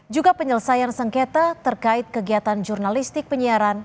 juga penyelesaian sengketa terkait kegiatan jurnalistik penyiaran